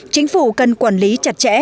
chính phủ cần quản lý chặt chẽ